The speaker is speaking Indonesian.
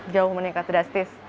jauh meningkat berarti